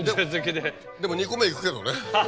でも２個目いくけどね。